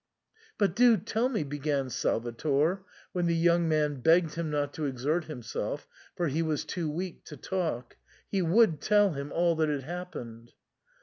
" But do tell me "— began Salvator, when the young man begged him not to exert himself, for he was too weak to talk ; he would tell him all that had happened.